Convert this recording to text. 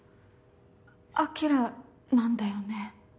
晶なんだよね？